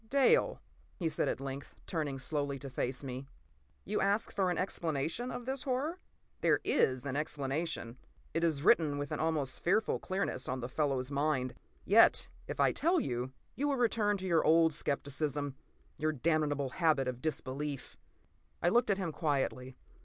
p> "Dale," he said at length, turning slowly to face me, "you ask for an explanation of this horror? There is an explanation. It is written with an almost fearful clearness on this fellow's mind. Yet if I tell you, you will return to your old skepticism—your damnable habit of disbelief!" I looked at him quietly.